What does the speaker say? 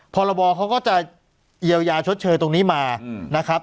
พรบเขาก็จะเยียวยาชดเชยตรงนี้มานะครับ